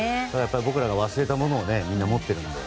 僕らが忘れたものをみんな持っているので。